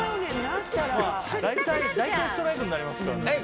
大体ストライクになりますからね。